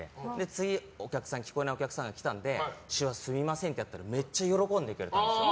次、聞こえないお客さんが来たので手話ですみませんってやったらめっちゃ喜んでくれたんです。